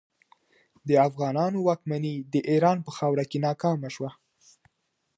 د افغانانو واکمني د ایران په خاوره کې ناکامه شوه.